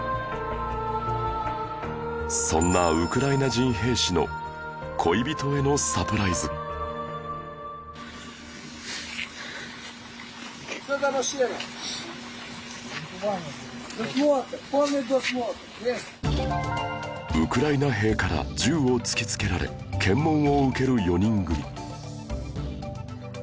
そんなウクライナ人兵士のウクライナ兵から銃を突きつけられ検問を受ける４人組